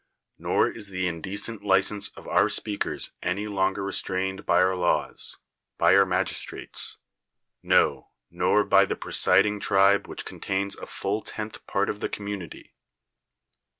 Nor is the indecent lio'nse of our speakers any longer restrained by our laws, by our magistrates; no, nor by the 187 THE WORLD'S FAMOUS ORATIONS presiding tribe which contains a full tenth part of the community.